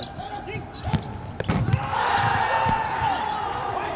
สวัสดีครับทุกคน